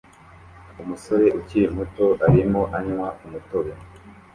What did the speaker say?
Umusore ukiri muto arimo anywa umutobe